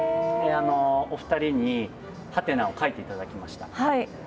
お二人にハテナを書いて頂きました。